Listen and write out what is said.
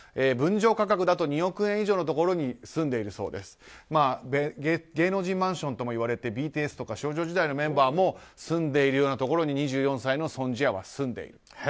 分譲価格だと２億円以上のところに芸能人マンションともいわれてＢＴＳとか少女時代のメンバーも住んでいるようなところに２４歳のソン・ジアは住んでいる。